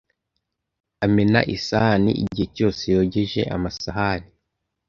Amena isahani igihe cyose yogeje amasahani.